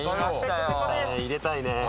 入れたいね。